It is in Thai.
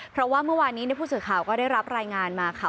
เพราะว่าเมื่อวานนี้ผู้สื่อข่าวก็ได้รับรายงานมาค่ะ